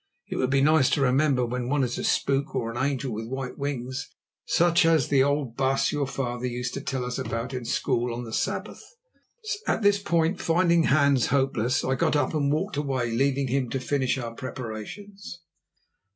It would be nice to remember when one is a spook, or an angel with white wings, such as the old baas, your father, used to tell us about in school on the Sabbath." At this point, finding Hans hopeless, I got up and walked away, leaving him to finish our preparations.